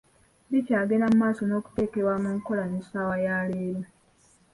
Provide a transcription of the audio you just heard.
Bikyagenda mu maaso n'okuteekebwa mu nkola n'essaawa ya leero.